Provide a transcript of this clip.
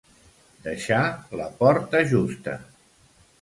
Deixar la porta justa.